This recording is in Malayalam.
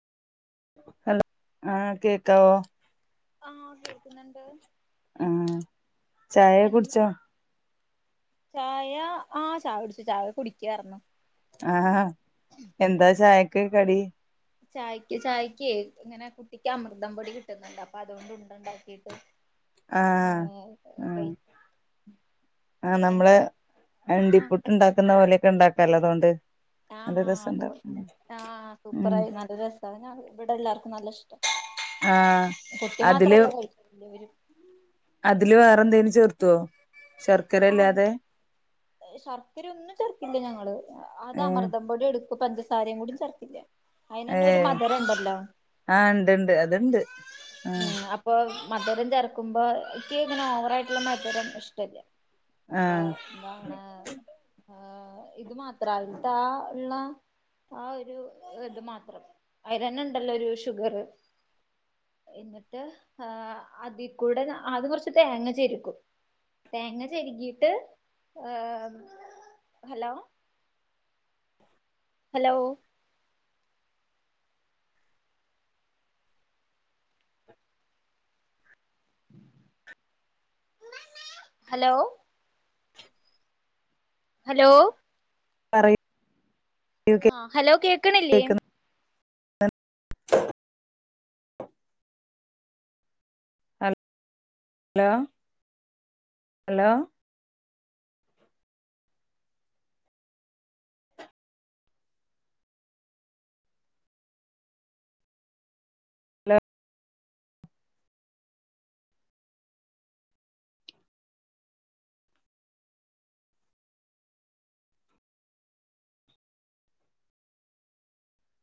ഹലോ ആഹ് കേക്കാവോ ആഹ് കേക്ക്ന്ന്ണ്ട് ആഹ് ചായ പിന്നെ കുടിച്ചോ ചായ ആഗ് ചായ കുടിച്ചു ചായ കുടിക്കായിരുന്നു ആഹ് എന്താ ചായക്ക് കടി ചായക്ക് ചായ്ക്കെ ഇങ്ങനെ കുട്ടിക്ക് അമൃതം പൊടി കിട്ട്ന്ന്ണ്ട് അപ്പൊ അതുകൊണ്ട് ഉണ്ട ഉണ്ടാക്കിട്ട് ആഹ കൈ ആഹ് ആഹ് പിന്നെന്താ ആഹ് നമ്മള്അണ്ടിപുട്ട് ഇണ്ടാക്കുന്ന പോലെയൊക്കെ ഉണ്ടാക്കാലോ അതുകൊണ്ട് ആഹ് നല്ല ആ് അത് പൊ രസണ്ടാവും ആഹ ഉം സൂപ്പറായി നല്ല രസാ ഇവടെ എല്ലാർക്കും നല്ല ഇഷ്ട ആഹ് കുട്ടി അതില് മാത്രല്ല കഴിക്കല് ഇവരും അതില് വേറെ എന്തേലും ചേർത്തുവോ ശർക്കര അല്ലാതെ ശർക്കരയൊന്നും ചേർക്കില്ല ഞങ്ങള് അത് ഏഹ് അമൃതം പൊടി എടുക്കും പഞ്ചസാരേം കൂടി ചേർക്കില്ല അയിനെന്നെ ഒരു ഏഹ് മധരം ഇണ്ടല്ലോ ആഹ് ഇണ്ട് ഇണ്ട് അത്ണ്ട് ആഹ് ഉം പ്പൊ മധരം ചേർക്കുമ്പോ ഇക്ക് ഇങ്ങനെ ഓവറായിട്ട്ള്ള മത്‌രം ഇഷ്ടല്ല്യ അപ്പൊ ആഹ് എന്താണ് ആഹ് ഇത് മാത്ര ഇന്നിട്ട് ആഹ് ഇള്ള ആ ഒരു ഇത് മാത്രം അയിലെന്നെ ഇണ്ടല്ലോ ഒരു ഷുഗറ് എന്നിട്ട് അതിൽ കൂടെ ആദ്യം കുറച്ച് തേങ്ങ ചിരകും തേങ്ങ ചെരകീട്ട് ഏഹ് ഹലോ ഹലോ ഹലോ ഹലോ പറയു ആഹ് ഹലോ കേക്ക്‌ണില്ലേ കേക്കുന്നു ഹലോ ഹലോ ഹലോ